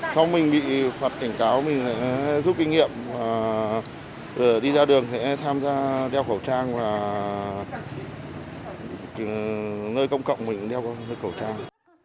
sau mình bị phạt cảnh cáo mình hãy giúp kinh nghiệm đi ra đường sẽ tham gia đeo khẩu trang và nơi công cộng mình đeo khẩu trang